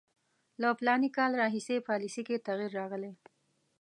له فلاني کال راهیسې پالیسي کې تغییر راغلی.